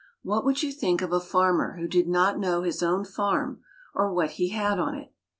What would you think of a farmer who did not know his own farm, or what he had on it?